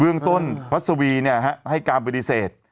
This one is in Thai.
เบื้องต้นพัฒวีให้การบริเศษ